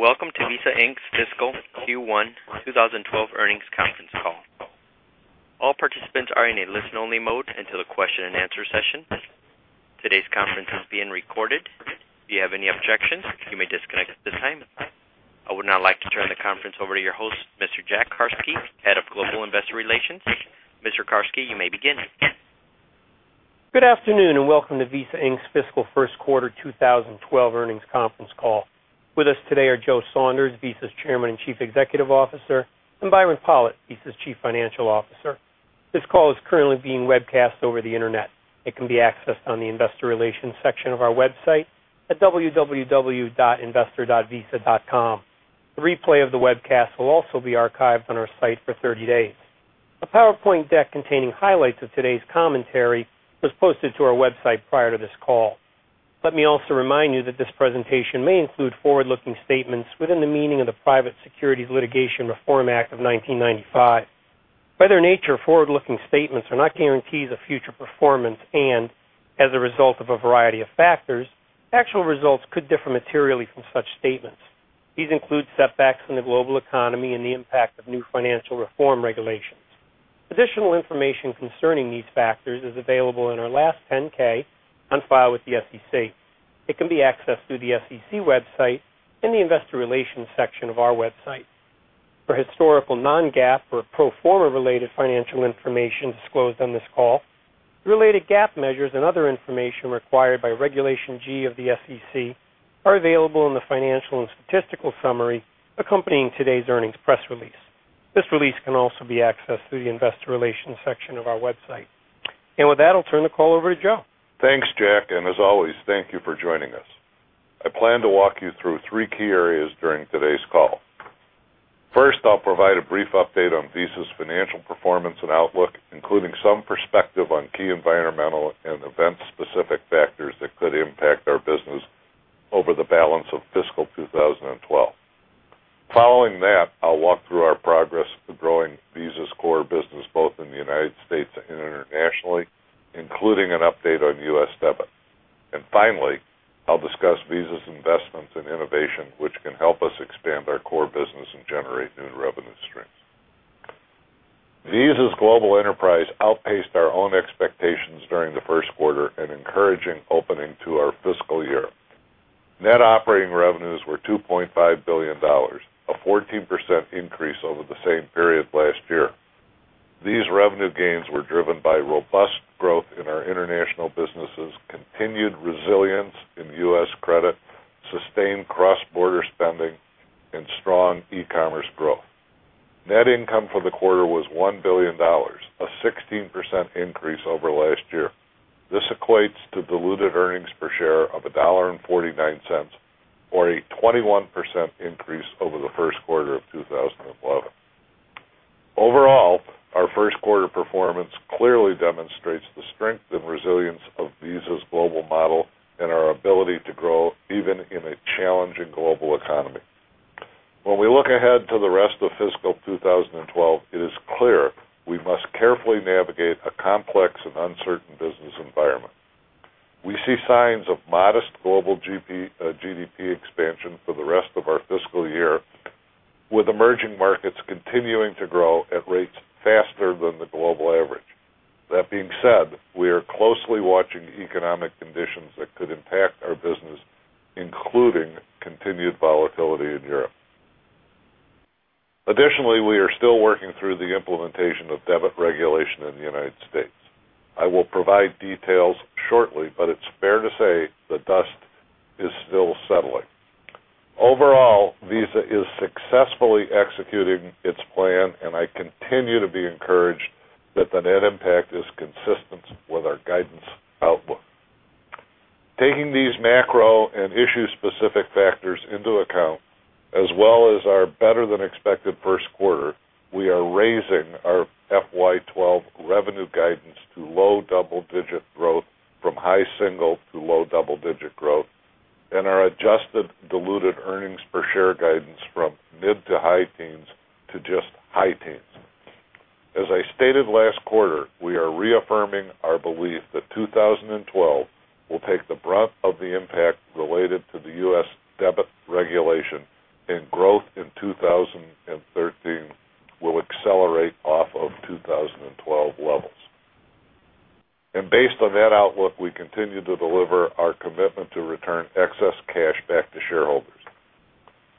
Welcome to Visa Inc.'s Fiscal Q1 2012 Earnings Conference Call. All participants are in a listen-only mode until the question and answer session. Today's conference is being recorded. If you have any objections, you may disconnect at this time. I would now like to turn the conference over to your host, Mr. Jack Carsky, Head of Global Investor Relations. Mr. Carsky, you may begin. Good afternoon and welcome to Visa Inc.'s Fiscal First Quarter 2012 Earnings Conference Call. With us today are Joe Saunders, Visa's Chairman and Chief Executive Officer, and Byron Pollitt, Visa's Chief Financial Officer. This call is currently being webcast over the internet. It can be accessed on the investor relations section of our website at www.investor.visa.com. The replay of the webcast will also be archived on our site for 30 days. A PowerPoint deck containing highlights of today's commentary was posted to our website prior to this call. Let me also remind you that this presentation may include forward-looking statements within the meaning of the Private Securities Litigation Reform Act of 1995. By their nature, forward-looking statements are not guarantees of future performance and, as a result of a variety of factors, actual results could differ materially from such statements. These include setbacks in the global economy and the impact of new financial reform regulations. Additional information concerning these factors is available in our last 10-K on file with the SEC. It can be accessed through the SEC website in the investor relations section of our website. For historical non-GAAP or pro forma related financial information disclosed on this call, related GAAP measures and other information required by Regulation G of the SEC are available in the Financial and Statistical Summary accompanying today's earnings press release. This release can also be accessed through the investor relations section of our website. With that, I'll turn the call over to Joe. Thanks, Jack, and as always, thank you for joining us. I plan to walk you through three key areas during today's call. First, I'll provide a brief update on Visa's financial performance and outlook, including some perspective on key environmental and event-specific factors that could impact our business over the balance of fiscal 2012. Following that, I'll walk through our progress for growing Visa's core business both in the United States and internationally, including an update on U.S. debit. Finally, I'll discuss Visa's investments in innovation, which can help us expand our core business and generate new revenue streams. Visa's global enterprise outpaced our own expectations during the first quarter in encouraging opening to our fiscal year. Net operating revenues were $2.5 billion, a 14% increase over the same period last year. These revenue gains were driven by robust growth in our international businesses, continued resilience in U.S. credit, sustained cross-border spending, and strong e-commerce growth. Net income for the quarter was $1 billion, a 16% increase over last year. This equates to diluted earnings per share of $1.49, or a 21% increase over the first quarter of 2011. Overall, our first quarter performance clearly demonstrates the strength and resilience of Visa's global model and our ability to grow even in a challenging global economy. When we look ahead to the rest of fiscal 2012, it is clear we must carefully navigate a complex and uncertain business environment. We see signs of modest global GDP expansion for the rest of our fiscal year, with emerging markets continuing to grow at rates faster than the global average. That being said, we are closely watching economic conditions that could impact our business, including continued volatility in Europe. Additionally, we are still working through the implementation of debit regulation in the United States. I will provide details shortly, but it's fair to say the dust is still settling. Overall, Visa is successfully executing its plan, and I continue to be encouraged that the net impact is consistent with our guidance outlook. Taking these macro and issue-specific factors into account, as well as our better-than-expected first quarter, we are raising our FY 2012 revenue guidance to low double-digit growth from high single to low double-digit growth, and our adjusted diluted earnings per share guidance from mid to high teens to just high teens. As I stated last quarter, we are reaffirming our belief that 2012 will take the brunt of the impact related to the U.S. debit regulation, and growth in 2013 will accelerate off of 2012 levels. Based on that outlook, we continue to deliver our commitment to return excess cash back to shareholders.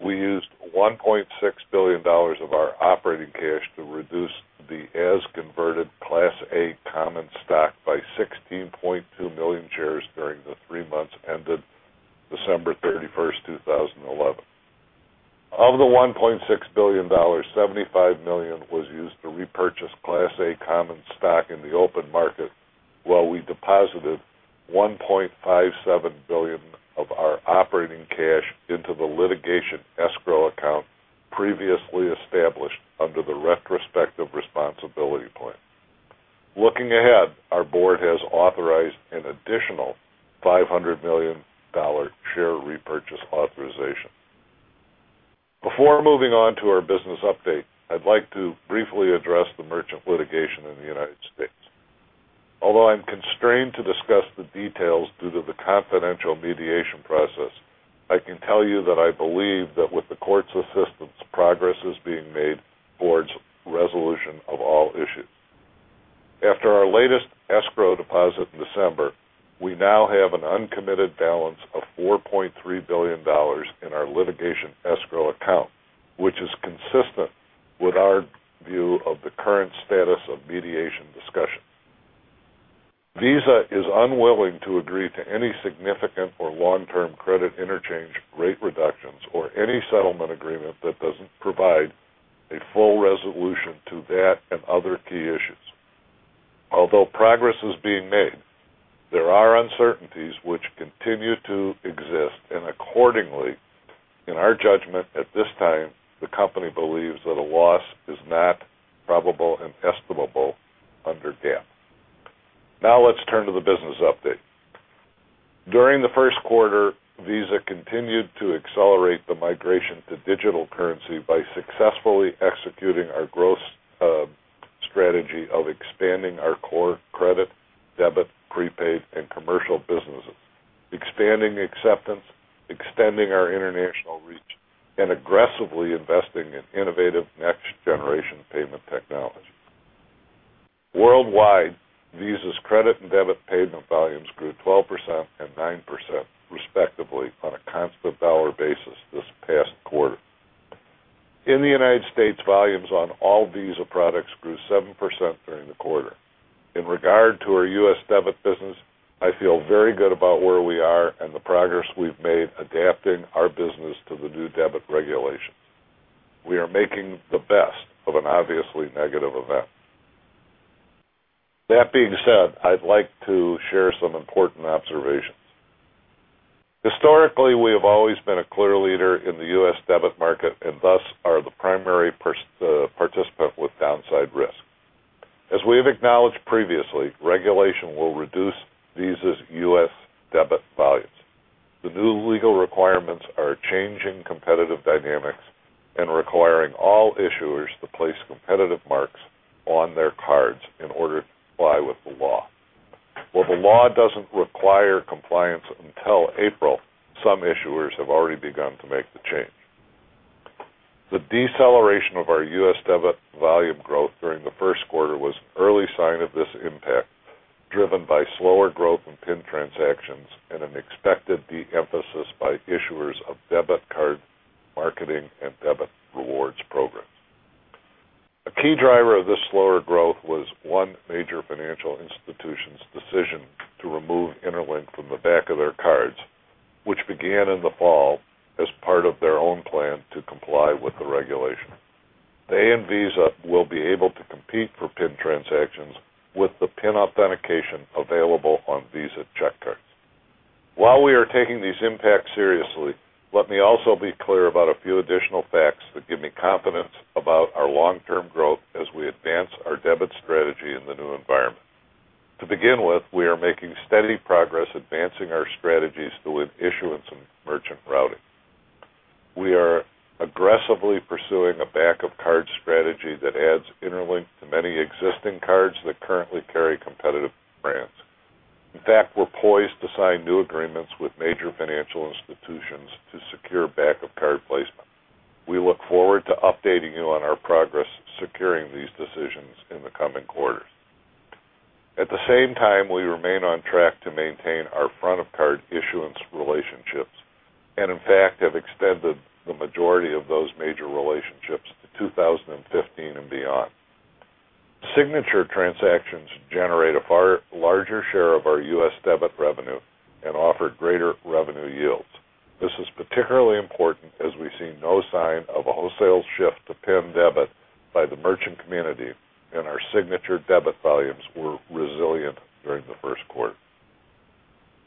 We used $1.6 billion of our operating cash to reduce the as-converted Class A common stock by 16.2 million shares during the three months ended December 31st 2011. Of the $1.6 billion, $75 million was used to repurchase Class A common stock in the open market, while we deposited $1.57 billion of our operating cash into the litigation escrow account previously established under the retrospective responsibility plan. Looking ahead, our board has authorized an additional $500 million share repurchase authorization. Before moving on to our business update, I'd like to briefly address the merchant litigation in the United States. Although I'm constrained to discuss the details due to the confidential mediation process, I can tell you that I believe that with the court's assistance, progress is being made towards resolution of all issues. After our latest escrow deposit in December, we now have an uncommitted balance of $4.3 billion in our litigation escrow account, which is consistent with our view of the current status of mediation discussions. Visa is unwilling to agree to any significant or long-term credit interchange rate reductions or any settlement agreement that doesn't provide a full resolution to that and other key issues. Although progress is being made, there are uncertainties which continue to exist, and accordingly, in our judgment at this time, the company believes that a loss is not probable and estimable under GAAP. Now let's turn to the business update. During the first quarter, Visa continued to accelerate the migration to digital currency by successfully executing our growth strategy of expanding our core credit, debit, prepaid, and commercial businesses, expanding acceptance, extending our international reach, and aggressively investing in innovative next-generation payment technologies. Worldwide, Visa's credit and debit payment volumes grew 12% and 9%, respectively, on a constant dollar basis this past quarter. In the United States, volumes on all Visa products grew 7% during the quarter. In regard to our U.S. debit business, I feel very good about where we are and the progress we've made adapting our business to the new debit regulation. We are making the best of an obviously negative event. That being said, I'd like to share some important observations. Historically, we have always been a clear leader in the U.S. debit market and thus are the primary participant with downside risk. As we have acknowledged previously, regulation will reduce Visa's U.S. debit volumes. The new legal requirements are changing competitive dynamics and requiring all issuers to place competitive marks on their cards in order to comply with the law. While the law doesn't require compliance until April, some issuers have already begun to make the change. The deceleration of our U.S. debit volume growth during the first quarter was an early sign of this impact, driven by slower growth in PIN transactions and an expected de-emphasis by issuers of debit card marketing and debit rewards programs. A key driver of this slower growth was one major financial institution's decision to remove Interlink from the back of their cards, which began in the fall as part of their own plan to comply with the regulation. They and Visa will be able to compete for PIN transactions with the PIN authentication available on Visa check cards. While we are taking these impacts seriously, let me also be clear about a few additional facts that give me confidence about our long-term growth as we advance our debit strategy in the new environment. To begin with, we are making steady progress advancing our strategies through an issuance and merchant routing. We are aggressively pursuing a back-of-card strategy that adds Interlink to many existing cards that currently carry competitive brands. In fact, we're poised to sign new agreements with major financial institutions to secure back-of-card placement. We look forward to updating you on our progress securing these decisions in the coming quarters. At the same time, we remain on track to maintain our front-of-card issuance relationships and, in fact, have extended the majority of those major relationships to 2015 and beyond. Signature transactions generate a far larger share of our U.S. debit revenue and offer greater revenue yields. This is particularly important as we see no sign of a wholesale shift to PIN debit by the merchant community, and our signature debit volumes were resilient during the first quarter.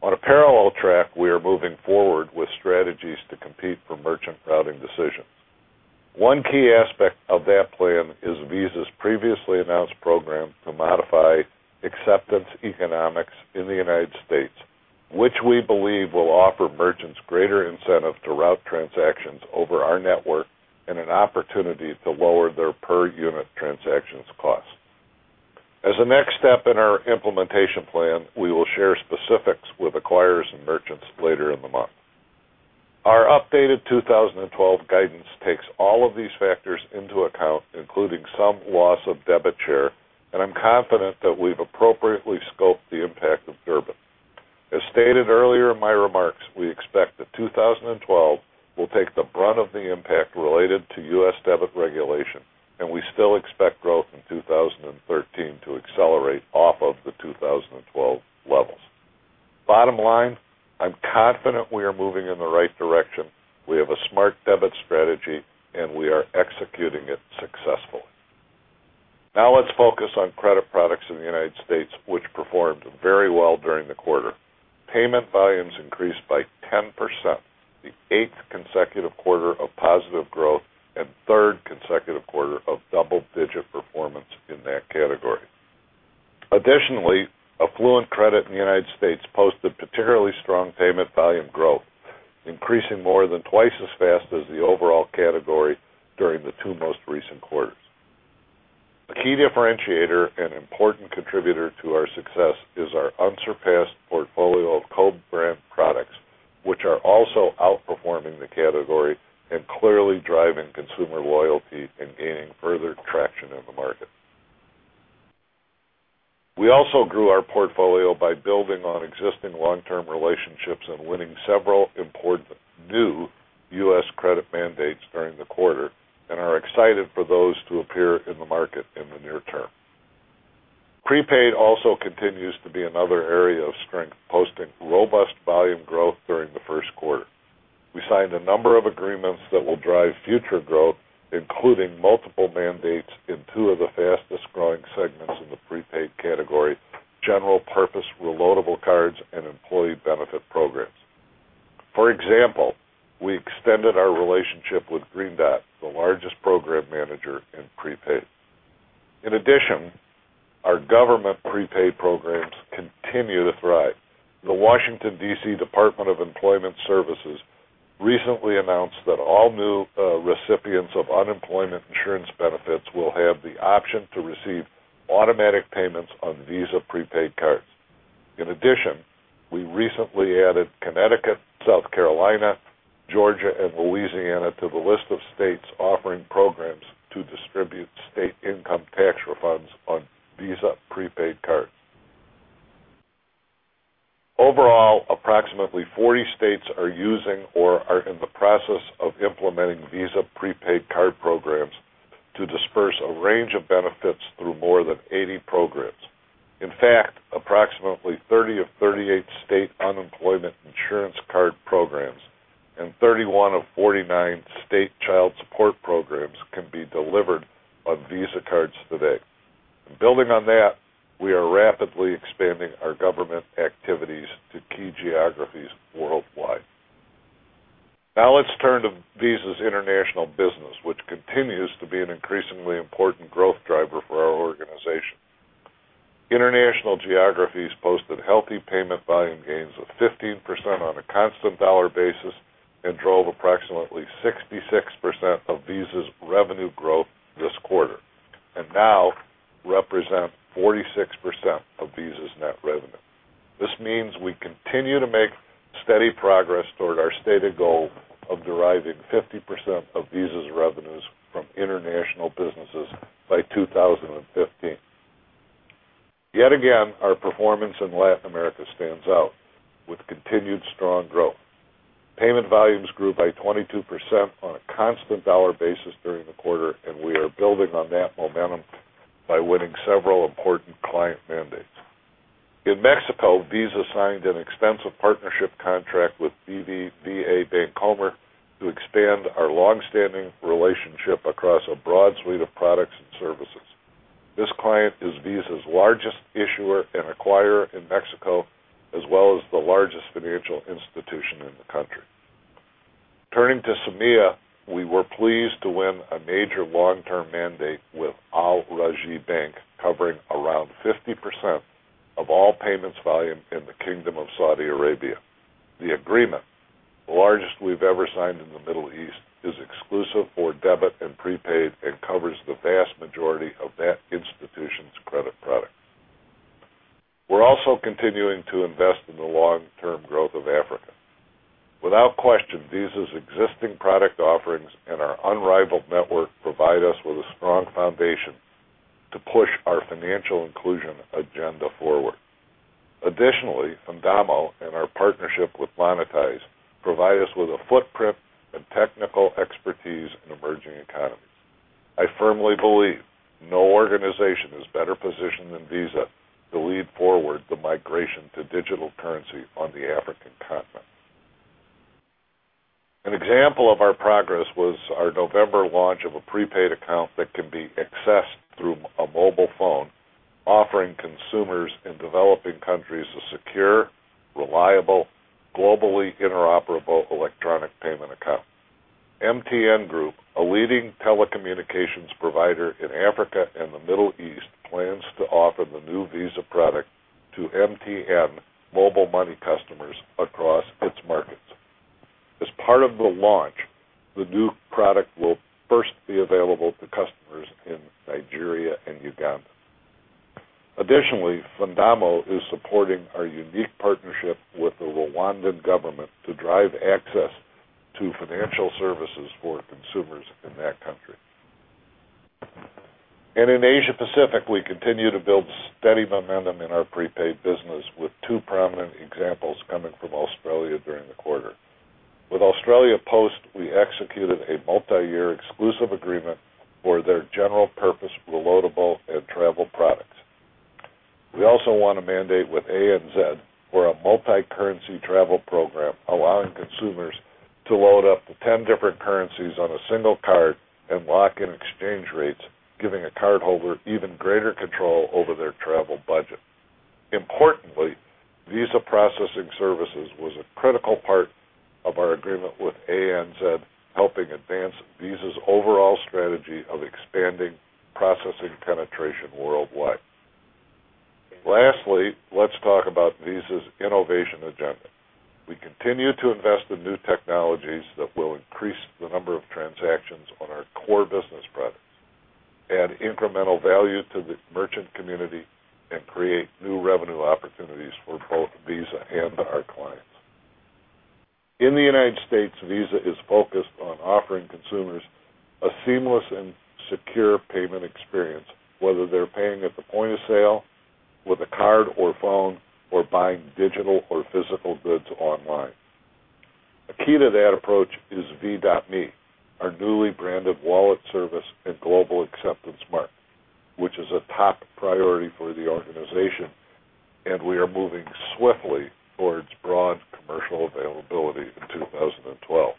On a parallel track, we are moving forward with strategies to compete for merchant routing decisions. One key aspect of that plan is Visa's previously announced program to modify acceptance economics in the U.S., which we believe will offer merchants greater incentive to route transactions over our network and an opportunity to lower their per-unit transaction cost. As a next step in our implementation plan, we will share specifics with acquirers and merchants later in the month. Our updated 2012 guidance takes all of these factors into account, including some loss of debit share, and I'm confident that we've appropriately scoped the impact of Durbin. As stated earlier in my remarks, we expect that 2012 will take the brunt of the impact related to U.S. debit regulation, and we still expect growth in 2013 to accelerate off of the 2012 levels. Bottom line, I'm confident we are moving in the right direction. We have a smart debit strategy, and we are executing it successfully. Now let's focus on credit products in the U.S., which performed very well during the quarter. Payment volumes increased by 10%, the eighth consecutive quarter of positive growth and third consecutive quarter of double-digit performance in that category. Additionally, affluent credit in the United States posted particularly strong payment volume growth, increasing more than twice as fast as the overall category during the two most recent quarters. A key differentiator and important contributor to our success is our unsurpassed portfolio of co-brand products, which are also outperforming the category and clearly driving consumer loyalty and gaining further traction in the market. We also grew our portfolio by building on existing long-term relationships and winning several important new U.S. credit mandates during the quarter and are excited for those to appear in the market in the near term. Prepaid also continues to be another area of strength, posting robust volume growth during the first quarter. We signed a number of agreements that will drive future growth, including multiple mandates in two of the fastest growing segments in the prepaid category: general-purpose reloadable cards and employee benefit programs. For example, we extended our relationship with Green Dot, the largest program manager in prepaid. In addition, our government prepaid programs continue to thrive. The Washington, D.C. Department of Employment Services recently announced that all new recipients of unemployment insurance benefits will have the option to receive automatic payments on Visa prepaid cards. In addition, we recently added Connecticut, South Carolina, Georgia, and Louisiana to the list of states offering programs to distribute state income tax refunds on Visa prepaid cards. Overall, approximately 40 states are using or are in the process of implementing Visa prepaid card programs to disperse a range of benefits through more than 80 programs. In fact, approximately 30 of 38 state unemployment insurance card programs and 31 of 49 state child support programs can be delivered on Visa cards today. Building on that, we are rapidly expanding our government activities to key geographies worldwide. Now let's turn to Visa's international business, which continues to be an increasingly important growth driver for our organization. International geographies posted healthy payment volume gains of 15% on a constant dollar basis and drove approximately 66% of Visa's revenue growth this quarter and now represent 46% of Visa's net revenue. This means we continue to make steady progress toward our stated goal of deriving 50% of Visa's revenues from international businesses by 2015. Yet again, our performance in Latin America stands out with continued strong growth. Payment volumes grew by 22% on a constant dollar basis during the quarter, and we are building on that momentum by winning several important client mandates. In Mexico, Visa signed an extensive partnership contract with BBVA Bancomer to expand our longstanding relationship across a broad suite of products and services. This client is Visa's largest issuer and acquirer in Mexico, as well as the largest financial institution in the country. Turning to SAMEA, we were pleased to win a major long-term mandate with Al Rajhi Bank, covering around 50% of all payments volume in the Kingdom of Saudi Arabia. The agreement, the largest we've ever signed in the Middle East, is exclusive for debit and prepaid and covers the vast majority of that institution's credit product. We're also continuing to invest in the long-term growth of Africa. Without question, Visa's existing product offerings and our unrivaled network provide us with a strong foundation to push our financial inclusion agenda forward. Additionally, Fundamo, in our partnership with Monitise, provides us with a footprint and technical expertise in emerging economies. I firmly believe no organization is better positioned than Visa to lead forward the migration to digital currency on the African continent. An example of our progress was our November launch of a prepaid account that can be accessed through a mobile phone, offering consumers in developing countries a secure, reliable, globally interoperable electronic payment account. MTN Group, a leading telecommunications provider in Africa and the Middle East, plans to offer the new Visa product to MTN Mobile Money customers across its markets. As part of the launch, the new product will first be available to customers in Nigeria and Uganda. Additionally, Fundamo is supporting our unique partnership with the Rwandan government to drive access to financial services for consumers in that country. In Asia Pacific, we continue to build steady momentum in our prepaid business, with two prominent examples coming from Australia during the quarter. With Australia Post, we executed a multi-year exclusive agreement for their general-purpose reloadable and travel products. We also won a mandate with ANZ for a multi-currency travel program, allowing consumers to load up to 10 different currencies on a single card and lock in exchange rates, giving a cardholder even greater control over their travel budget. Importantly, Visa Processing Services was a critical part of our agreement with ANZ, helping advance Visa's overall strategy of expanding processing penetration worldwide. Lastly, let's talk about Visa's innovation agenda. We continue to invest in new technologies that will increase the number of transactions on our core business products, add incremental value to the merchant community, and create new revenue opportunities for both Visa and our clients. In the United States, Visa is focused on offering consumers a seamless and secure payment experience, whether they're paying at the point of sale with a card or phone or buying digital or physical goods online. A key to that approach is V.me, our newly branded wallet service and global acceptance mark, which is a top priority for the organization, and we are moving swiftly towards broad commercial availability in 2012.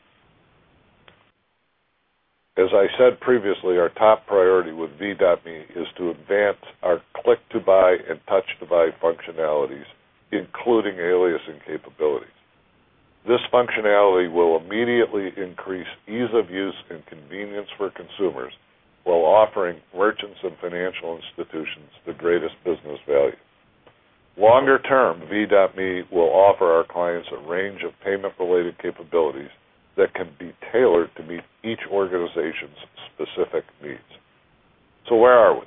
As I said previously, our top priority with V.me is to advance our click-to-buy and touch-to-buy functionalities, including aliasing capabilities. This functionality will immediately increase ease of use and convenience for consumers while offering merchants and financial institutions the greatest business value. Longer term, V.me will offer our clients a range of payment-related capabilities that can be tailored to meet each organization's specific needs. Where are we?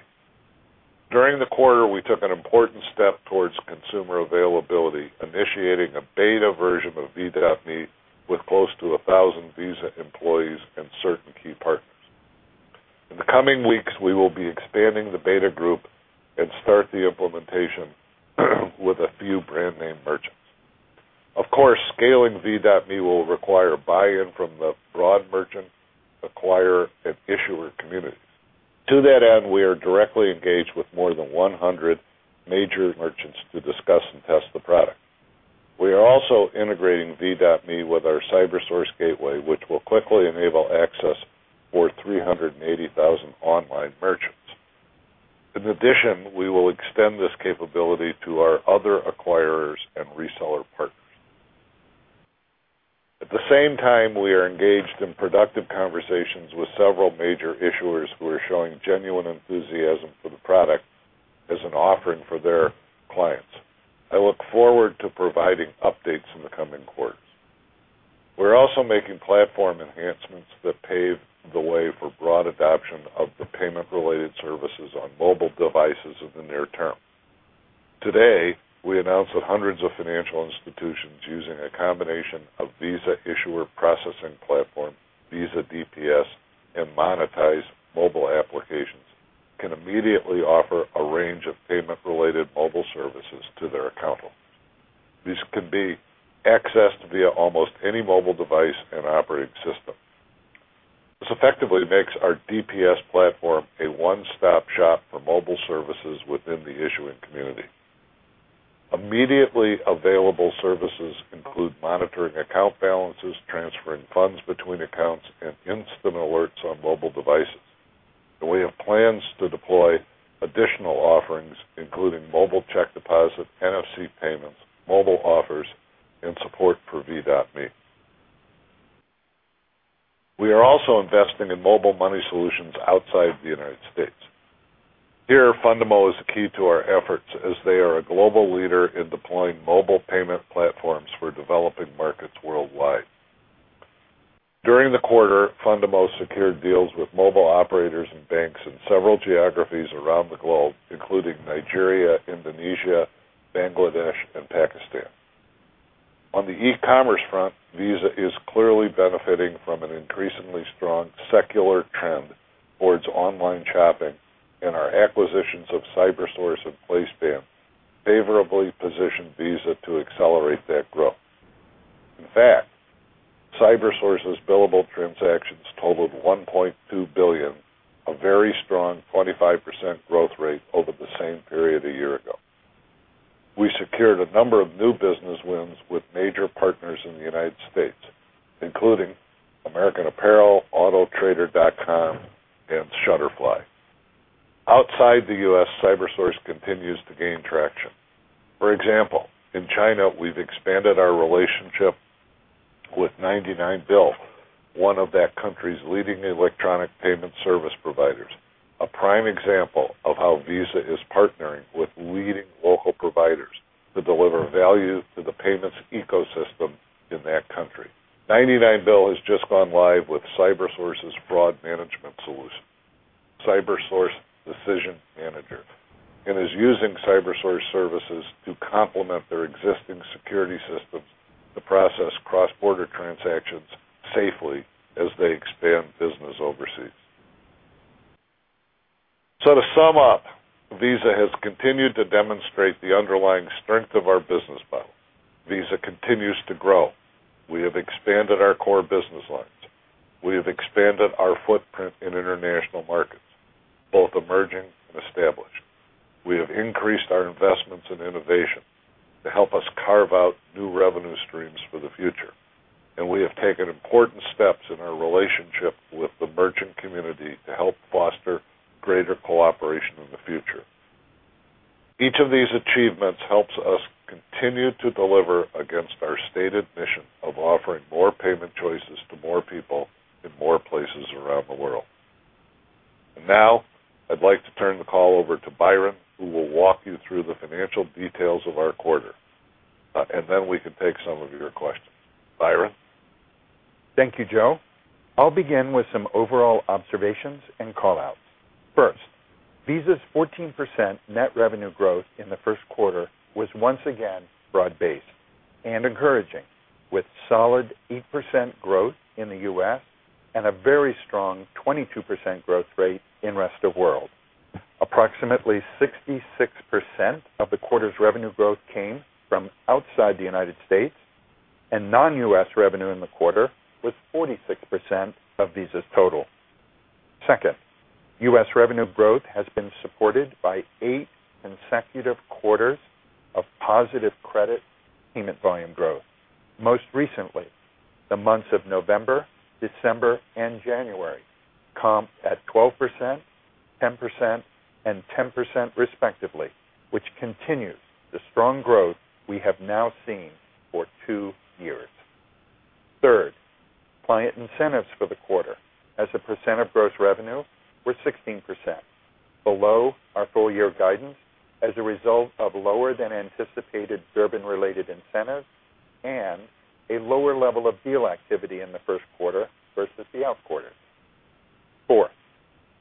During the quarter, we took an important step towards consumer availability, initiating a beta version of V.me with close to 1,000 Visa employees and certain key partners. In the coming weeks, we will be expanding the beta group and start the implementation with a few brand-name merchants. Of course, scaling V.me will require buy-in from the broad merchant, acquirer, and issuer communities. To that end, we are directly engaged with more than 100 major merchants to discuss and test the product. We are also integrating V.me with our CyberSource gateway, which will quickly enable access for 380,000 online merchants. In addition, we will extend this capability to our other acquirers and reseller partners. At the same time, we are engaged in productive conversations with several major issuers who are showing genuine enthusiasm for the product as an offering for their clients. I look forward to providing updates in the coming quarters. We are also making platform enhancements that pave the way for broad adoption of the payment-related services on mobile devices in the near term. Today, we announced that hundreds of financial institutions using a combination of Visa issuer processing platform, Visa DPS, and Monitise mobile applications can immediately offer a range of payment-related mobile services to their account holders. These can be accessed via almost any mobile device and operating system. This effectively makes our DPS platform a one-stop shop for mobile services within the issuing community. Immediately available services include monitoring account balances, transferring funds between accounts, and instant alerts on mobile devices. We have plans to deploy additional offerings, including mobile check deposit, NFC payments, mobile offers, and support for V.me. We are also investing in mobile money solutions outside the United States. Here, Fundamo is the key to our efforts as they are a global leader in deploying mobile payment platforms for developing markets worldwide. During the quarter, Fundamo secured deals with mobile operators and banks in several geographies around the globe, including Nigeria, Indonesia, Bangladesh, and Pakistan. On the e-commerce front, Visa is clearly benefiting from an increasingly strong secular trend towards online shopping, and our acquisitions of CyberSource and PlaySpan favorably positioned Visa to accelerate that growth. In fact, CyberSource's billable transactions totaled $1.2 billion, a very strong 25% growth rate over the same period a year ago. We secured a number of new business wins with major partners in the United States, including American Apparel, autotrader.com, and Shutterfly. Outside the U.S., CyberSource continues to gain traction. For example, in China, we've expanded our relationship with 99Bill, one of that country's leading electronic payment service providers, a prime example of how Visa is partnering with leading local providers to deliver value to the payments ecosystem in that country. 99Bill has just gone live with CyberSource's broad management solution, CyberSource Decision Manager, and is using CyberSource services to complement their existing security systems to process cross-border transactions safely as they expand business overseas. To sum up, Visa has continued to demonstrate the underlying strength of our business model. Visa continues to grow. We have expanded our core business lines. We have expanded our footprint in international markets, both emerging and established. We have increased our investments in innovation to help us carve out new revenue streams for the future. We have taken important steps in our relationship with the merchant community to help foster greater cooperation in the future. Each of these achievements helps us continue to deliver against our stated mission of offering more payment choices to more people in more places around the world. Now, I'd like to turn the call over to Byron, who will walk you through the financial details of our quarter. Then we can take some of your questions. Byron? Thank you, Joe. I'll begin with some overall observations and callouts. First, Visa's 14% net revenue growth in the first quarter was once again broad-based and encouraging, with solid 8% growth in the U.S. and a very strong 22% growth rate in the rest of the world. Approximately 66% of the quarter's revenue growth came from outside the United States, and non-U.S. revenue in the quarter was 46% of Visa's total. Second, U.S. revenue growth has been supported by eight consecutive quarters of positive credit payment volume growth. Most recently, the months of November, December, and January comped at 12%, 10%, and 10% respectively, which continues the strong growth we have now seen for two years. Third, client incentives for the quarter, as a percent of gross revenue, were 16%, below our full-year guidance as a result of lower-than-anticipated Durbin-related incentives and a lower level of deal activity in the first quarter versus the off quarter. Fourth,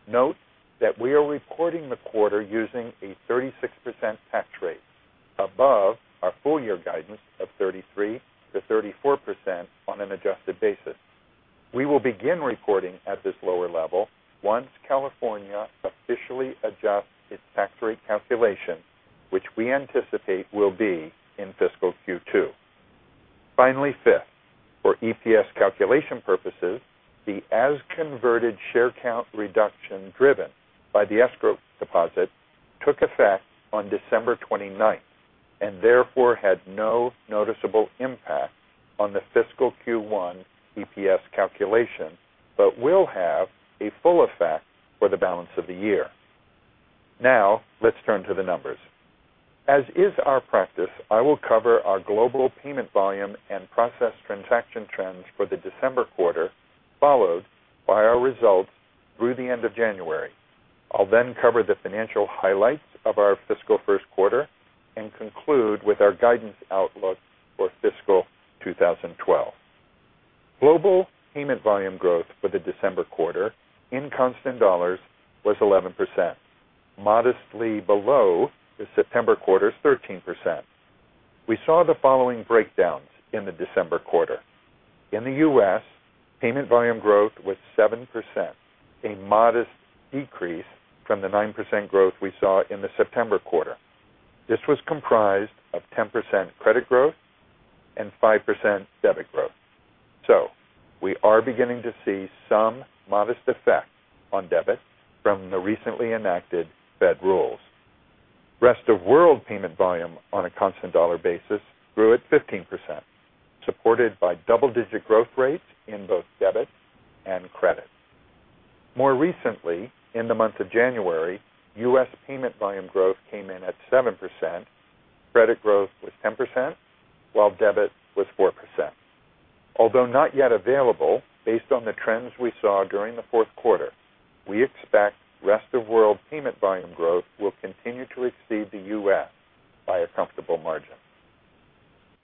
note that we are recording the quarter using a 36% tax rate, above our full-year guidance of 33%-34% on an adjusted basis. We will begin recording at this lower level once California officially adjusts its tax rate calculation, which we anticipate will be in fiscal Q2. Finally, fifth, for EPS calculation purposes, the as-converted share count reduction driven by the escrow deposit took effect on December 29th and therefore had no noticeable impact on the fiscal Q1 EPS calculation but will have a full effect for the balance of the year. Now, let's turn to the numbers. As is our practice, I will cover our global payment volume and process transaction trends for the December quarter, followed by our results through the end of January. I'll then cover the financial highlights of our fiscal first quarter and conclude with our guidance outlook for fiscal 2012. Global payment volume growth for the December quarter, in constant dollars, was 11%, modestly below the September quarter's 13%. We saw the following breakdowns in the December quarter. In the U.S., payment volume growth was 7%, a modest decrease from the 9% growth we saw in the September quarter. This was comprised of 10% credit growth and 5% debit growth. We are beginning to see some modest effects on debit from the recently enacted Fed rules. The rest of the world's payment volume on a constant dollar basis grew at 15%, supported by double-digit growth rates in both debit and credit. More recently, in the month of January, U.S. Payment volume growth came in at 7%, credit growth was 10%, while debit was 4%. Although not yet available, based on the trends we saw during the fourth quarter, we expect the rest of the world's payment volume growth will continue to exceed the U.S. by a comfortable margin.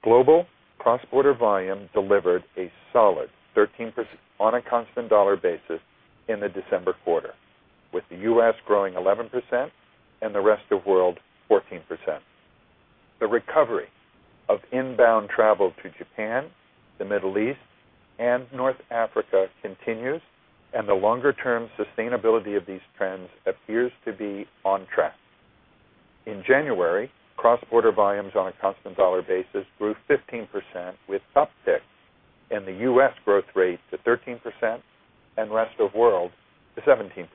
Global cross-border volume delivered a solid 13% on a constant dollar basis in the December quarter, with the U.S. growing 11% and the rest of the world 14%. The recovery of inbound travel to Japan, the Middle East, and North Africa continues, and the longer-term sustainability of these trends appears to be on track. In January, cross-border volumes on a constant dollar basis grew 15%, with an uptick in the U.S. growth rate to 13% and the rest of the world to 17%.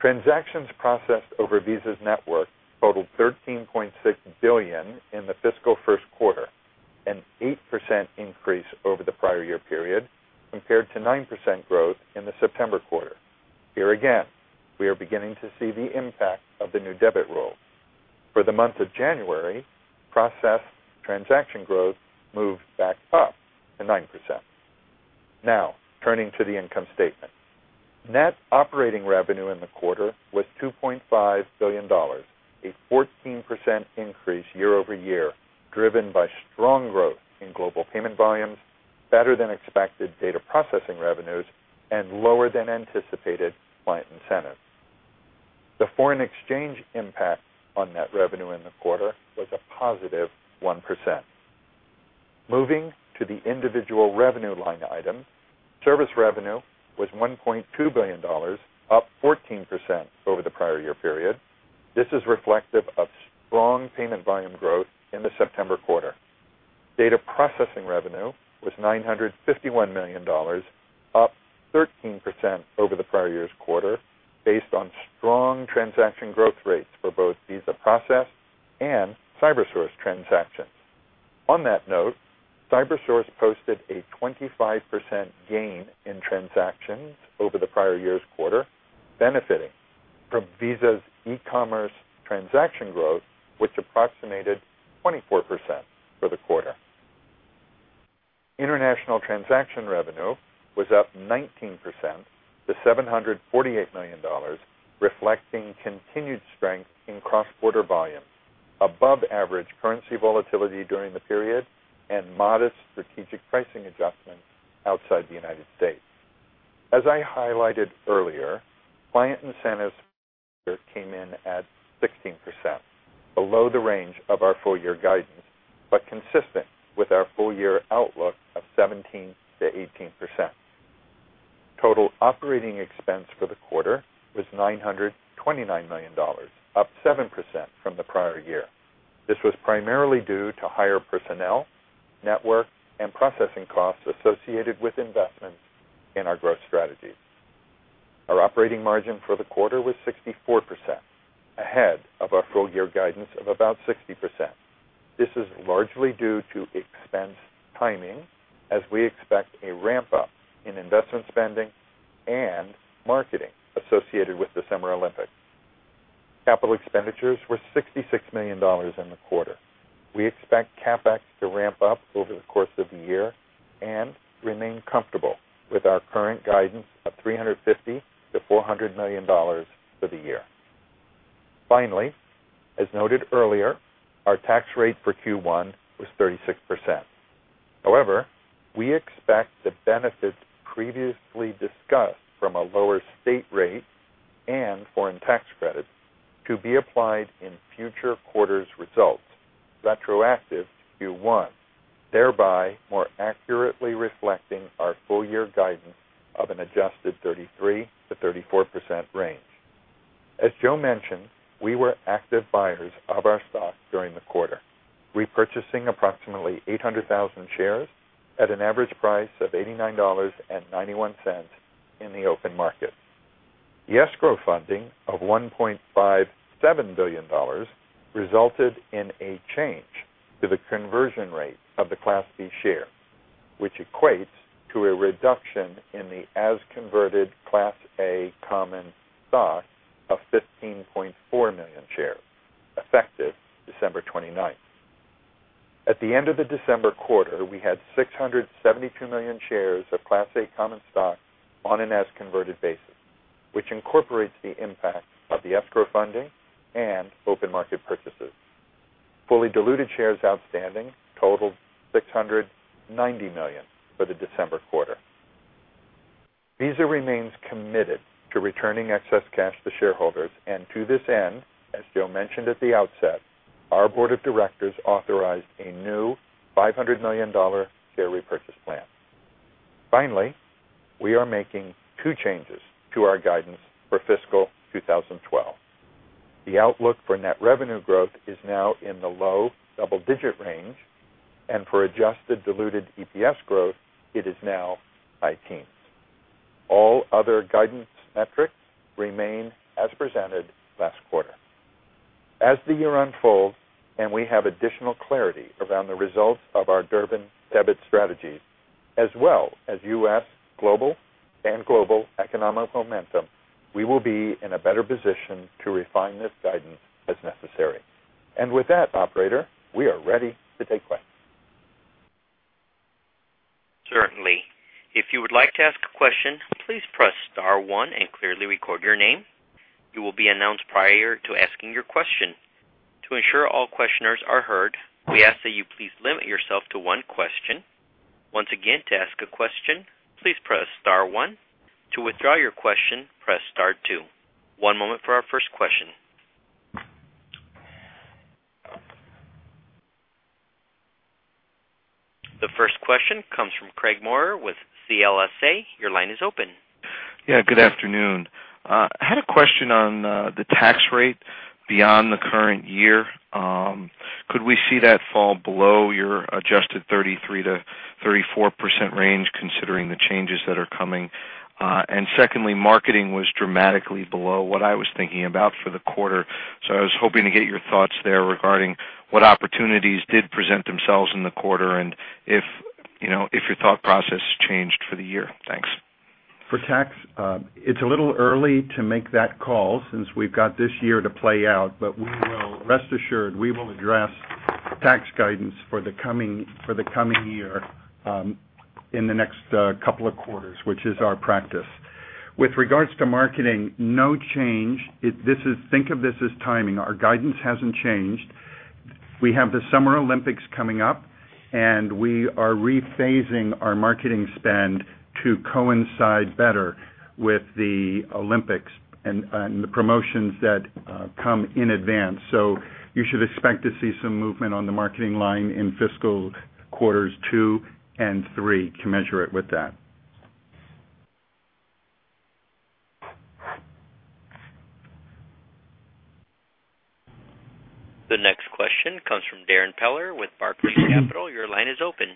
Transactions processed over Visa's network totaled $13.6 billion in the fiscal first quarter, an 8% increase over the prior year period compared to 9% growth in the September quarter. Here again, we are beginning to see the impact of the new debit rule. For the month of January, processed transaction growth moved back up to 9%. Now, turning to the income statement. Net operating revenue in the quarter was $2.5 billion, a 14% increase year-over-year, driven by strong growth in global payment volumes, better-than-expected data processing revenues, and lower-than-anticipated client incentives. The foreign exchange impact on net revenue in the quarter was a +1%. Moving to the individual revenue line items, service revenue was $1.2 billion, up 14% over the prior year period. This is reflective of strong payment volume growth in the September quarter. Data processing revenue was $951 million, up 13% over the prior year's quarter, based on strong transaction growth rates for both Visa processed and CyberSource transactions. On that note, CyberSource posted a 25% gain in transactions over the prior year's quarter, benefiting from Visa's e-commerce transaction growth, which approximated 24% for the quarter. International transaction revenue was up 19% to $748 million, reflecting continued strength in cross-border volume, above-average currency volatility during the period, and modest strategic pricing adjustments outside the United States. As I highlighted earlier, client incentives came in at 16%, below the range of our full-year guidance but consistent with our full-year outlook of 17%-18%. Total operating expense for the quarter was $929 million, up 7% from the prior year. This was primarily due to higher personnel, network, and processing costs associated with investments in our growth strategy. Our operating margin for the quarter was 64%, ahead of our full-year guidance of about 60%. This is largely due to expense timing, as we expect a ramp-up in investment spending and marketing associated with the Summer Olympics. Capital expenditures were $66 million in the quarter. We expect CapEx to ramp up over the course of the year and remain comfortable with our current guidance of $350 million-$400 million for the year. Finally, as noted earlier, our tax rate for Q1 was 36%. However, we expect the benefits previously discussed from a lower state rate and foreign tax credits to be applied in future quarters' results retroactive to Q1, thereby more accurately reflecting our full-year guidance of an adjusted 33%-34% range. As Joe mentioned, we were active buyers of our stock during the quarter, repurchasing approximately 800,000 shares at an average price of $89.91 in the open market. The escrow funding of $1.57 billion resulted in a change to the conversion rate of the Class B share, which equates to a reduction in the as-converted Class A common stock of 15.4 million shares, effective December 29th. At the end of the December quarter, we had 672 million shares of Class A common stock on an as-converted basis, which incorporates the impact of the escrow funding and open market purchases. Fully diluted shares outstanding totaled 690 million for the December quarter. Visa remains committed to returning excess cash to shareholders, and to this end, as Joe mentioned at the outset, our Board of Directors authorized a new $500 million share repurchase plan. Finally, we are making two changes to our guidance for fiscal 2012. The outlook for net revenue growth is now in the low double-digit range, and for adjusted diluted EPS growth, it is now high teens. All other guidance metrics remain as presented last quarter. As the year unfolds and we have additional clarity around the results of our Durbin debit strategy, as well as U.S. and global economic momentum, we will be in a better position to refine this guidance as necessary. With that, operator, we are ready to take questions. Certainly. If you would like to ask a question, please press star one and clearly record your name. You will be announced prior to asking your question. To ensure all questioners are heard, we ask that you please limit yourself to one question. Once again, to ask a question, please press star one To withdraw your question, press star two. One moment for our first question. The first question comes from Craig Maurer with CLSA. Your line is open. Good afternoon. I had a question on the tax rate beyond the current year. Could we see that fall below your adjusted 33%-34% range, considering the changes that are coming? Secondly, marketing was dramatically below what I was thinking about for the quarter. I was hoping to get your thoughts there regarding what opportunities did present themselves in the quarter and if your thought process changed for the year. Thanks. For tax, it's a little early to make that call since we've got this year to play out, but rest assured we will address tax guidance for the coming year in the next couple of quarters, which is our practice. With regards to marketing, no change. This is, think of this as timing. Our guidance hasn't changed. We have the Summer Olympics coming up, and we are rephasing our marketing spend to coincide better with the Olympics and the promotions that come in advance. You should expect to see some movement on the marketing line in fiscal quarters two and three. You can measure it with that. The next question comes from Darrin Peller with Barclays Capital. Your line is open.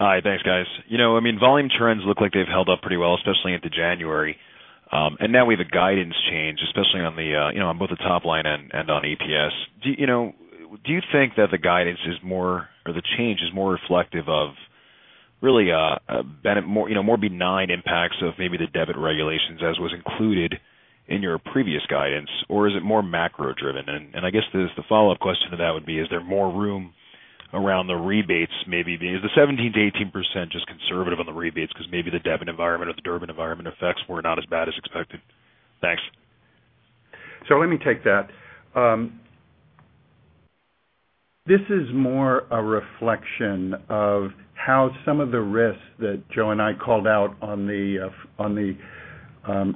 Hi, thanks, guys. Volume trends look like they've held up pretty well, especially into January. Now we have a guidance change, especially on both the top line and on EPS. Do you think that the guidance is more, or the change is more reflective of really more benign impacts of maybe the debit regulations, as was included in your previous guidance, or is it more macro-driven? I guess the follow-up question to that would be, is there more room around the rebates, maybe? Is the 17%-18% just conservative on the rebates because maybe the debit environment or the debit regulation Durbin environment effects were not as bad as expected? Thanks. Let me take that. This is more a reflection of how some of the risks that Joe and I called out on the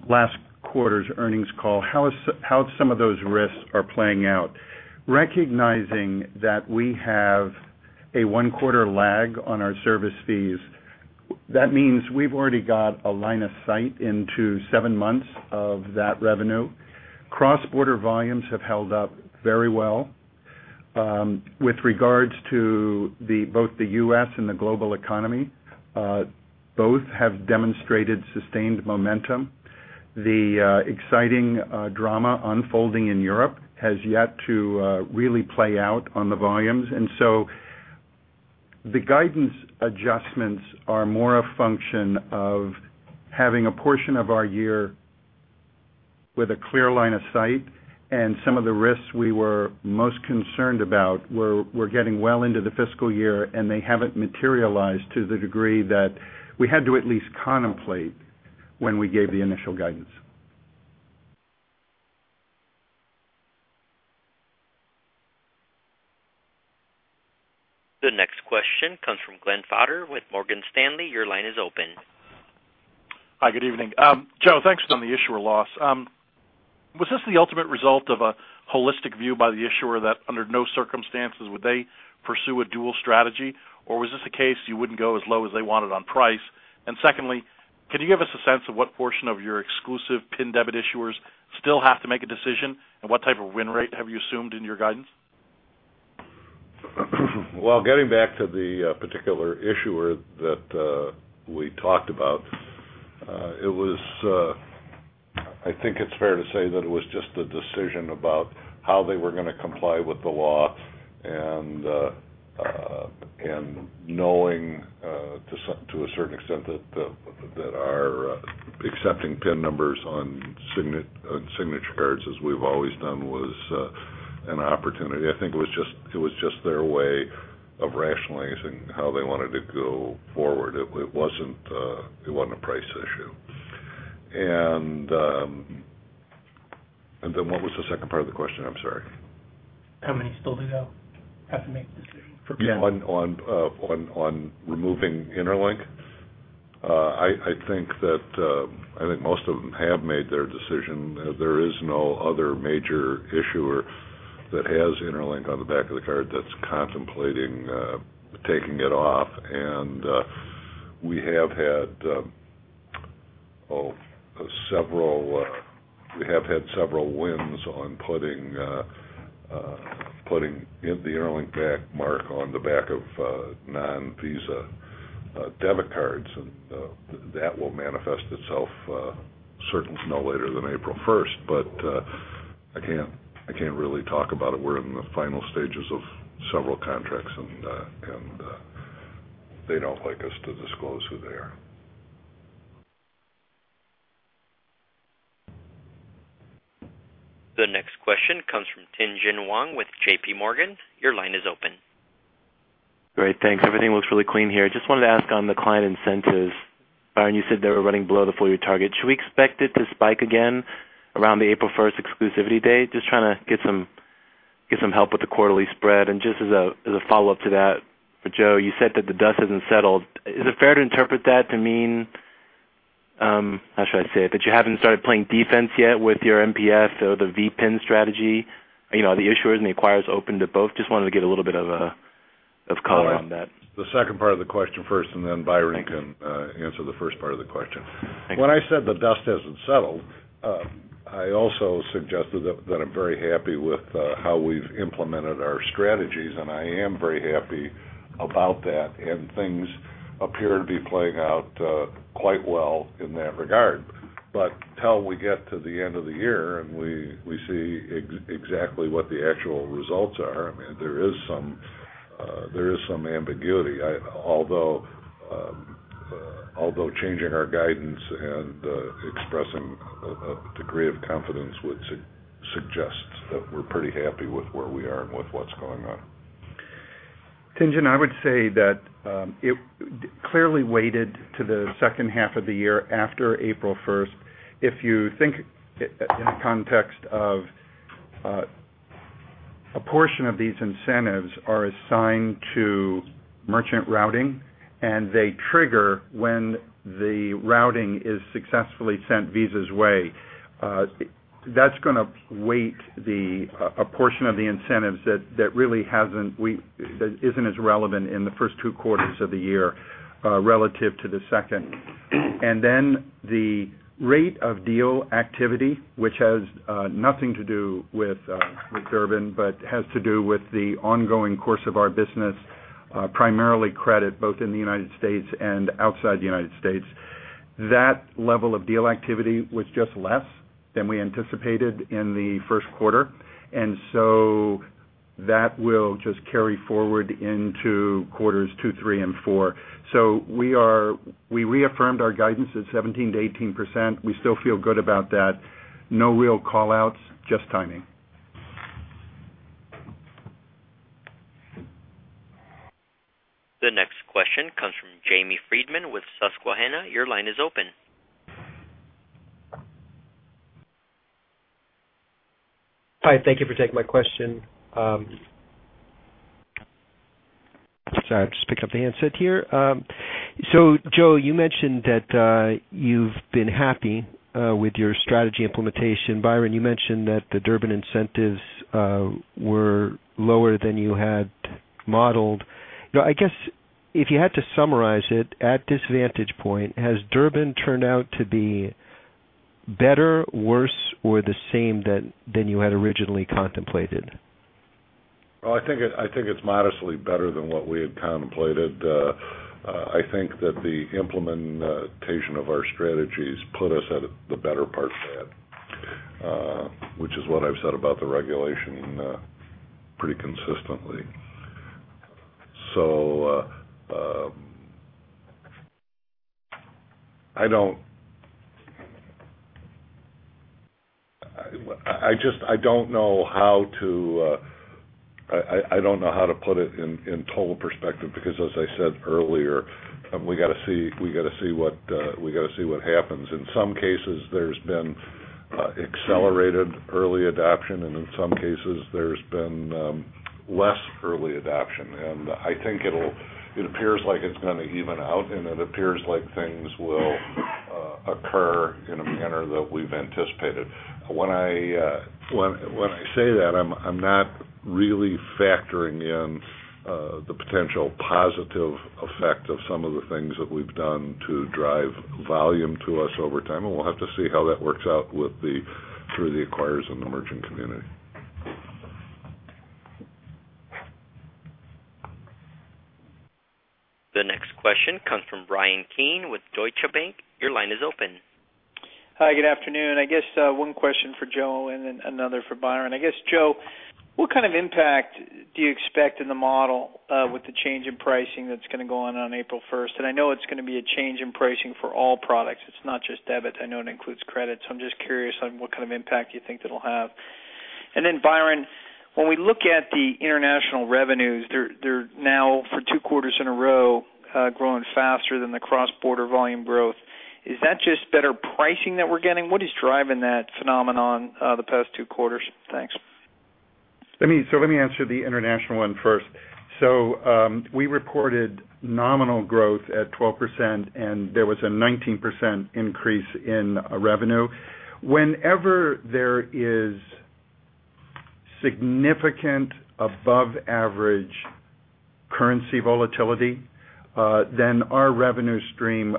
last quarter's earnings call, how some of those risks are playing out. Recognizing that we have a one-quarter lag on our service fees, that means we've already got a line of sight into seven months of that revenue. Cross-border volumes have held up very well. With regards to both the U.S. and the global economy, both have demonstrated sustained momentum. The exciting drama unfolding in Europe has yet to really play out on the volumes. The guidance adjustments are more a function of having a portion of our year with a clear line of sight, and some of the risks we were most concerned about were getting well into the fiscal year, and they haven't materialized to the degree that we had to at least contemplate when we gave the initial guidance. The next question comes from Glen Fodor with Morgan Stanley. Your line is open. Hi, good evening. Joe, thanks for the issuer loss. Was this the ultimate result of a holistic view by the issuer that under no circumstances would they pursue a dual strategy, or was this a case you wouldn't go as low as they wanted on price? Secondly, can you give us a sense of what portion of your exclusive PIN debit issuers still have to make a decision, and what type of win rate have you assumed in your guidance? Getting back to the particular issuer that we talked about, I think it's fair to say that it was just a decision about how they were going to comply with the law and knowing to a certain extent that our accepting PIN numbers on signature cards, as we've always done, was an opportunity. I think it was just their way of rationalizing how they wanted to go forward. It wasn't a price issue. What was the second part of the question? I'm sorry. How many still go they have to make? On removing Interlink, I think most of them have made their decision. There is no other major issuer that has Interlink on the back of the card that's contemplating taking it off. We have had several wins on putting the Interlink back mark on the back of non-Visa debit cards, and that will manifest itself certainly no later than April 1st. I can't really talk about it. We're in the final stages of several contracts, and they don't like us to disclose who they are. The next question comes from Tien-Tsin Huang with JPMorgan. Your line is open. Great, thanks. Everything looks really clean here. I just wanted to ask on the client incentives. Byron, you said they were running below the full-year target. Should we expect it to spike again around the April 1st exclusivity date? Just trying to get some help with the quarterly spread. Just as a follow-up to that, Joe, you said that the dust hasn't settled. Is it fair to interpret that to mean, how should I say it, that you haven't started playing defense yet with your MPFs or the VPIN strategy? Are the issuers and the acquirers open to both? Just wanted to get a little bit of color on that. The second part of the question first, and then Byron can answer the first part of the question. When I said the dust hasn't settled, I also suggested that I'm very happy with how we've implemented our strategies, and I am very happy about that, and things appear to be playing out quite well in that regard. Until we get to the end of the year and we see exactly what the actual results are, there is some ambiguity. Although changing our guidance and expressing a degree of confidence would suggest that we're pretty happy with where we are and with what's going on. Tien-Tsin, I would say that it clearly weighted to the second half of the year after April 1st. If you think in the context of a portion of these incentives are assigned to merchant routing and they trigger when the routing is successfully sent Visa's way, that's going to weight a portion of the incentives that really isn't as relevant in the first two quarters of the year relative to the second. The rate of deal activity, which has nothing to do with Durbin, but has to do with the ongoing course of our business, primarily credit both in the United States and outside the United States, that level of deal activity was just less than we anticipated in the first quarter. That will just carry forward into quarters two, three, and four. We reaffirmed our guidance at 17%-18%. We still feel good about that. No real callouts, just timing. The next question comes from Jamie Friedman with Susquehanna. Your line is open. Hi, thank you for taking my question. Sorry, I'm just picking up the insight here. Joe, you mentioned that you've been happy with your strategy implementation. Byron, you mentioned that the Durbin incentives were lower than you had modeled. If you had to summarize it at this vantage point, has Durbin turned out to be better, worse, or the same than you had originally contemplated? I think it's modestly better than what we had contemplated. I think that the implementation of our strategies put it at the better part fed, which is what I've said about the regulation pretty consistently. I don't know how to put it in total perspective because, as I said earlier, we got to see what happens. In some cases, there's been accelerated early adoption, and in some cases, there's been less early adoption. I think it appears like it's going to even out, and it appears like things will occur in a manner that we've anticipated. When I say that, I'm not really factoring in the potential positive effect of some of the things that we've done to drive volume to us over time, and we'll have to see how that works out for the acquirers and the merchant community. The next question comes from Bryan Keane with Deutsche Bank. Your line is open. Hi, good afternoon. I guess one question for Joe and then another for Byron. Joe, what kind of impact do you expect in the model with the change in pricing that's going to go on April 1st? I know it's going to be a change in pricing for all products. It's not just debits. I know it includes credit. I'm just curious on what kind of impact you think it'll have. Byron, when we look at the international revenues, they're now for two quarters in a row growing faster than the cross-border volume growth. Is that just better pricing that we're getting? What is driving that phenomenon the past two quarters? Thanks. Let me answer the international one first. We reported nominal growth at 12%, and there was a 19% increase in revenue. Whenever there is significant above-average currency volatility, our revenue stream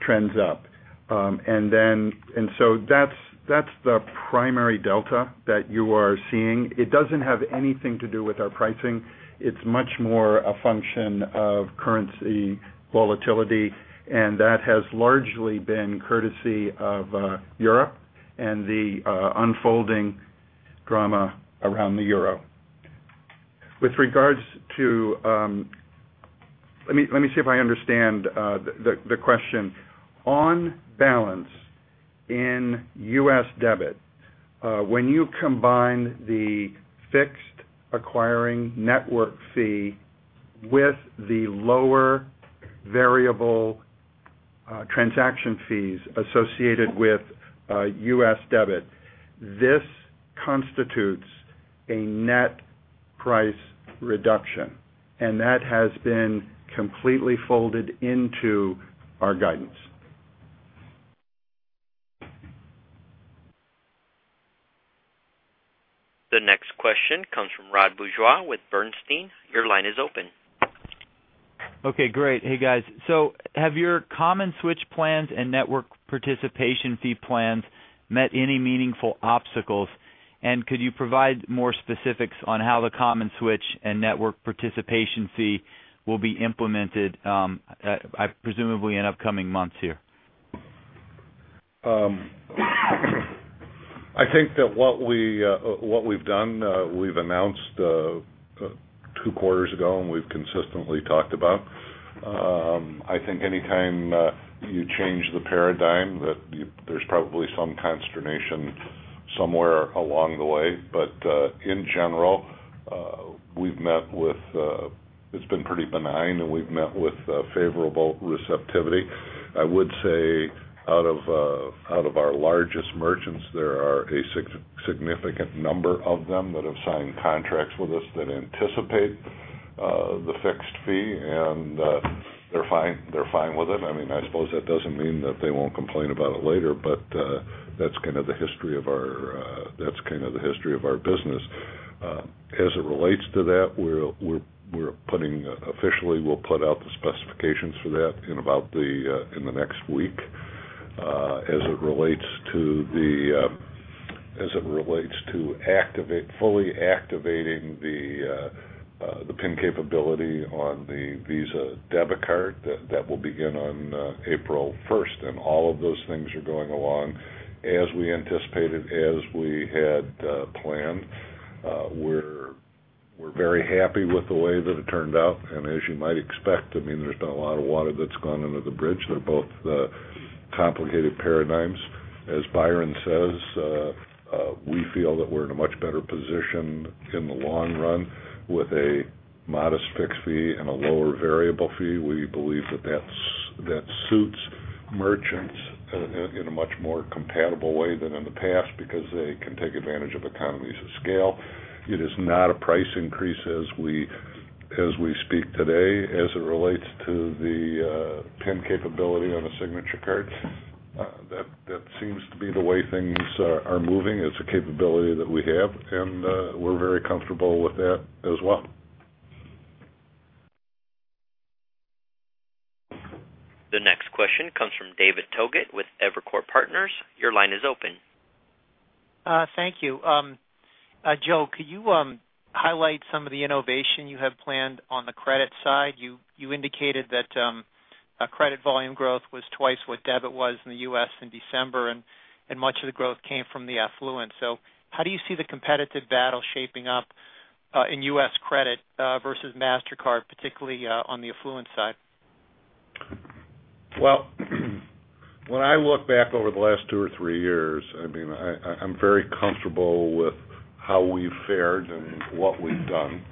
trends up. That is the primary delta that you are seeing. It does not have anything to do with our pricing. It is much more a function of currency volatility, and that has largely been courtesy of Europe and the unfolding drama around the euro. With regards to, let me see if I understand the question. On balance in U.S. debit, when you combine the fixed acquiring network fee with the lower variable transaction fees associated with U.S. debit, this constitutes a net price reduction, and that has been completely folded into our guidance. The next question comes from Rod Bourgeois with Bernstein. Your line is open. Okay, great. Hey, guys. Have your common switch plans and network participation fee plans met any meaningful obstacles, and could you provide more specifics on how the common switch and network participation fee will be implemented, presumably in upcoming months here? I think that what we've done, we've announced two quarters ago, and we've consistently talked about. I think anytime you change the paradigm, there's probably some consternation somewhere along the way. In general, we've met with, it's been pretty benign, and we've met with favorable receptivity. I would say out of our largest merchants, there are a significant number of them that have signed contracts with us that anticipate the fixed fee, and they're fine with it. I suppose that doesn't mean that they won't complain about it later, but that's kind of the history of our business. As it relates to that, we're putting officially, we'll put out the specifications for that in about the next week. As it relates to fully activating the PIN capability on the Visa debit card, that will begin on April 1st. All of those things are going along as we anticipated, as we had planned. We're very happy with the way that it turned out. As you might expect, there's been a lot of water that's gone under the bridge. They're both complicated paradigms. As Byron says, we feel that we're in a much better position in the long run with a modest fixed fee and a lower variable fee. We believe that that suits merchants in a much more compatible way than in the past because they can take advantage of economies of scale. It is not a price increase as we speak today. As it relates to the PIN capability on a signature card, that seems to be the way things are moving. It's a capability that we have, and we're very comfortable with that as well. The next question comes from David Togut with Evercore Partners. Your line is open. Thank you. Joe, could you highlight some of the innovation you have planned on the credit side? You indicated that credit volume growth was twice what debit was in the U.S. in December, and much of the growth came from the affluent. How do you see the competitive battle shaping up in U.S. credit versus MasterCard, particularly on the affluent side? When I look back over the last two or three years, I mean, I'm very comfortable with how we've fared and what we've done.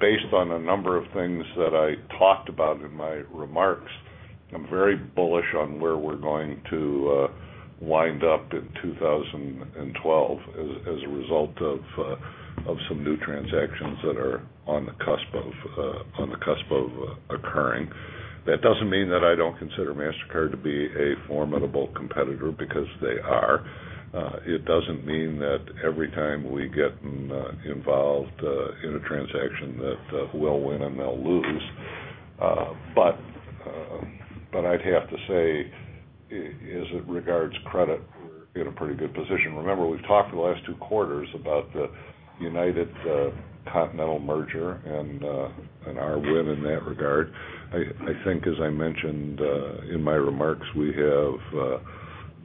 Based on a number of things that I talked about in my remarks, I'm very bullish on where we're going to wind up in 2012 as a result of some new transactions that are on the cusp of occurring. That doesn't mean that I don't consider MasterCard to be a formidable competitor because they are. It doesn't mean that every time we get involved in a transaction that we'll win and they'll lose. I'd have to say, as it regards credit, we're in a pretty good position. Remember, we've talked for the last two quarters about the United-Continental merger and our win in that regard. I think, as I mentioned in my remarks, we have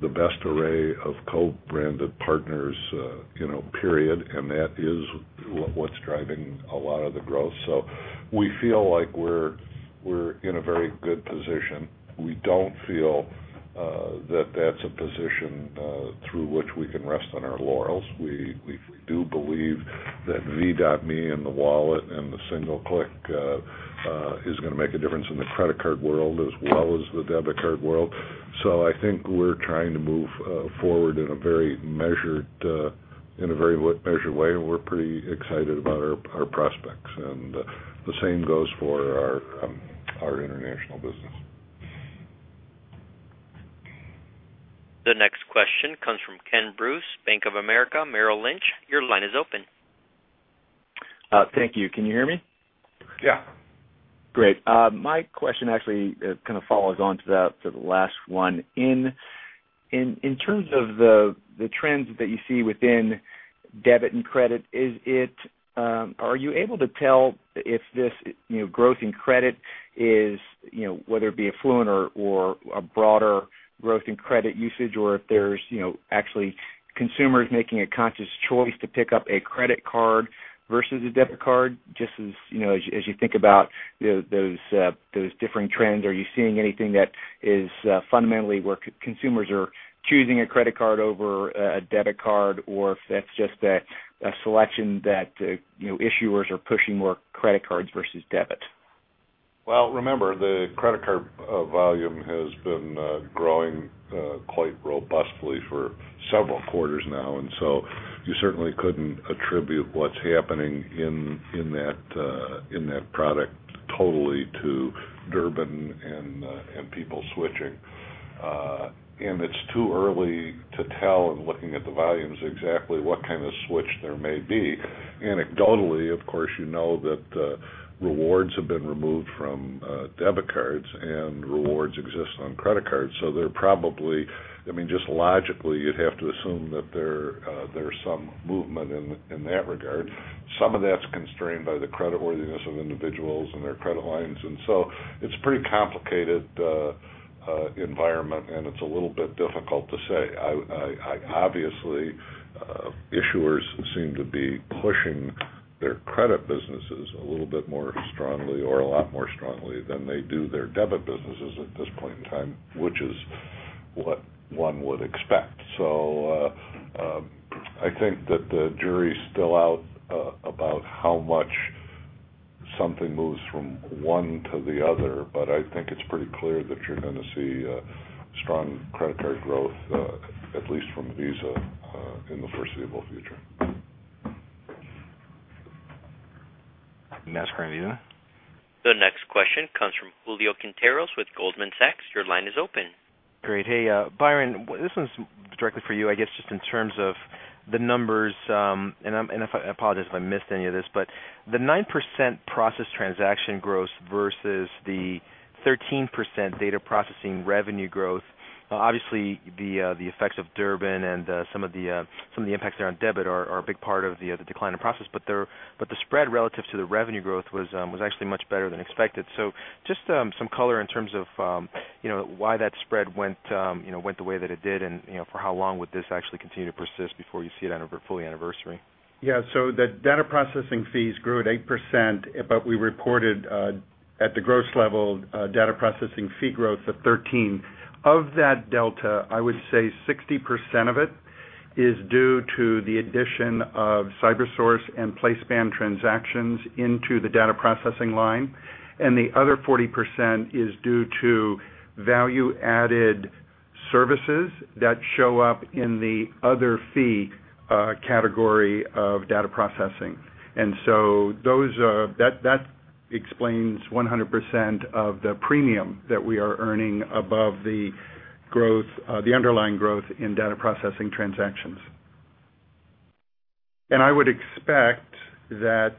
the best array of co-branded partners, you know, period, and that is what's driving a lot of the growth. We feel like we're in a very good position. We don't feel that that's a position through which we can rest on our laurels. We do believe that V.me and the wallet and the single click is going to make a difference in the credit card world as well as the debit card world. I think we're trying to move forward in a very measured way, and we're pretty excited about our prospects. The same goes for our international business. The next question comes from Ken Bruce, Bank of America Merrill Lynch. Your line is open. Thank you. Can you hear me? Yeah. Great. My question actually kind of follows on to that for the last one. In terms of the trends that you see within debit and credit, are you able to tell if this growth in credit is, you know, whether it be affluent or a broader growth in credit usage, or if there's, you know, actually consumers making a conscious choice to pick up a credit card versus a debit card? As you think about those differing trends, are you seeing anything that is fundamentally where consumers are choosing a credit card over a debit card, or if that's just a selection that, you know, issuers are pushing more credit cards versus debit? Remember, the credit card volume has been growing quite robustly for several quarters now. You certainly couldn't attribute what's happening in that product totally to debit regulation Durbin and people switching. It's too early to tell in looking at the volumes exactly what kind of switch there may be. Anecdotally, of course, you know that rewards have been removed from debit cards and rewards exist on credit cards. They're probably, I mean, just logically, you'd have to assume that there's some movement in that regard. Some of that's constrained by the creditworthiness of individuals and their credit lines. It's a pretty complicated environment, and it's a little bit difficult to say. Obviously, issuers seem to be pushing their credit businesses a little bit more strongly or a lot more strongly than they do their debit businesses at this point in time, which is what one would expect. I think that the jury's still out about how much something moves from one to the other, but I think it's pretty clear that you're going to see strong credit card growth, at least from Visa, in the foreseeable future. The next question comes from Julio Quinteros with Goldman Sachs. Your line is open. Great. Hey, Byron, this one's directly for you, I guess, just in terms of the numbers, and I apologize if I missed any of this, but the 9% processed transaction growth versus the 13% data processing revenue growth, obviously, the effects of Durbin and some of the impacts there on debit are a big part of the decline in processed, but the spread relative to the revenue growth was actually much better than expected. Just some color in terms of why that spread went the way that it did and for how long would this actually continue to persist before you see it on a fully anniversary? Yeah, so the data processing fees grew at 8%, but we reported at the gross level data processing fee growth at 13%. Of that delta, I would say 60% of it is due to the addition of CyberSource and PlaceSpan transactions into the data processing line, and the other 40% is due to value-added services that show up in the other fee category of data processing. That explains 100% of the premium that we are earning above the underlying growth in data processing transactions. I would expect that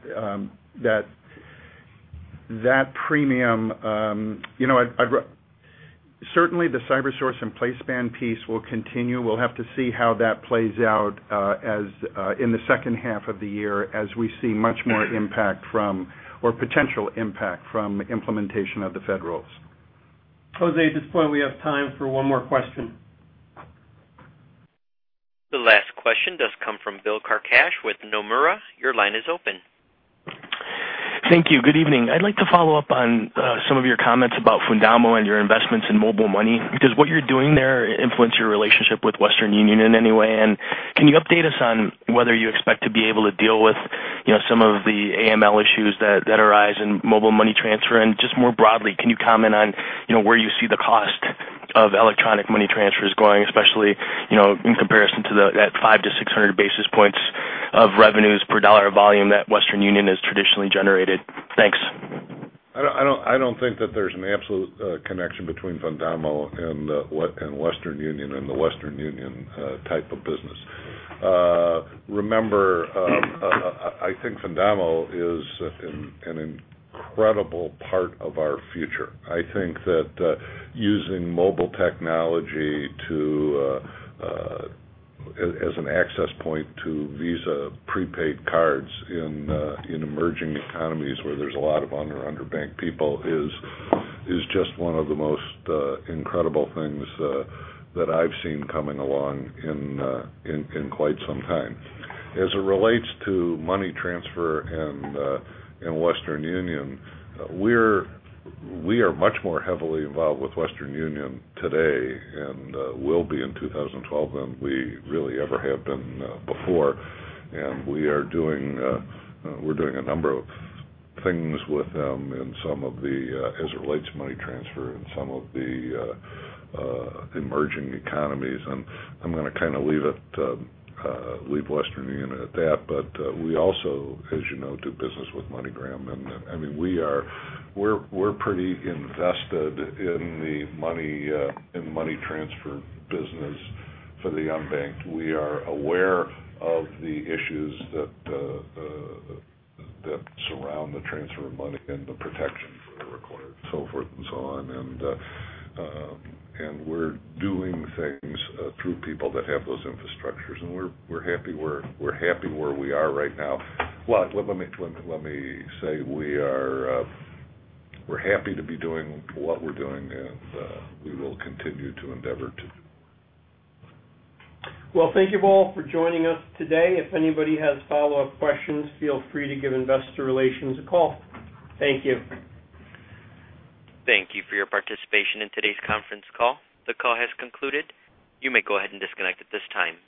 that premium, you know, certainly the CyberSource and PlaceSpan piece will continue. We'll have to see how that plays out in the second half of the year as we see much more impact from, or potential impact from, implementation of the federals. Jose, at this point, we have time for one more question. The last question does come from Bill Carcache with Nomura. Your line is open. Thank you. Good evening. I'd like to follow up on some of your comments about Fundamo and your investments in mobile money. Does what you're doing there influence your relationship with Western Union in any way? Can you update us on whether you expect to be able to deal with some of the AML issues that arise in mobile money transfer? More broadly, can you comment on where you see the cost of electronic money transfers going, especially in comparison to that 5 to 600 basis points of revenues per dollar of volume that Western Union has traditionally generated? Thanks. I don't think that there's an absolute connection between Fundamo and Western Union and the Western Union type of business. Remember, I think Fundamo is an incredible part of our future. I think that using mobile technology as an access point to Visa prepaid cards in emerging economies where there's a lot of underbanked people is just one of the most incredible things that I've seen coming along in quite some time. As it relates to money transfer and Western Union, we are much more heavily involved with Western Union today and will be in 2012 than we really ever have been before. We're doing a number of things with them as it relates to money transfer and some of the emerging economies. I'm going to kind of leave Western Union at that. We also, as you know, do business with MoneyGram. I mean, we're pretty invested in the money transfer business for the unbanked. We are aware of the issues that surround the transfer of money and the protections required, so forth and so on. We're doing things through people that have those infrastructures. We're happy where we are right now. Let me say we're happy to be doing what we're doing, and we will continue to endeavor to. Thank you all for joining us today. If anybody has follow-up questions, feel free to give investor relations a call. Thank you. Thank you for your participation in today's conference call. The call has concluded. You may go ahead and disconnect at this time.